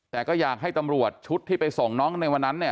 แต่ก็อยากให้ตำรวจชุดที่ไปส่งน้องในวันนั้นเนี่ย